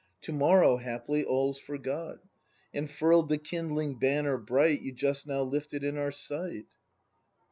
] To morrow, haply, all's forgot, And furl'd the kindling banner bright You just now lifted in our sight.